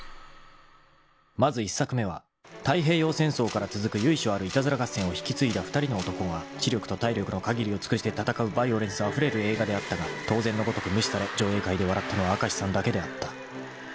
［まず１作目は太平洋戦争から続く由緒あるいたずら合戦を引き継いだ２人の男が知力と体力の限りを尽くして戦うバイオレンスあふれる映画であったが当然のごとく無視され上映会で笑ったのは明石さんだけであった］